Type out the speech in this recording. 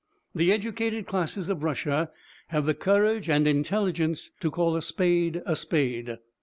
The educated classes of Russia have the courage and intelligence to call a spade a spade.